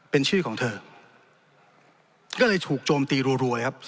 เป็นชื่อของเธอก็เลยถูกโจมตีรัวเลยครับ